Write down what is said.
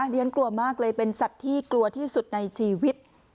เรียนกลัวมากเลยเป็นสัตว์ที่กลัวที่สุดในชีวิต